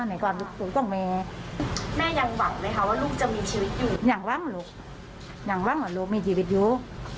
แม่ยังหวังไหมว่าลูกจะมีชีวิตอยู่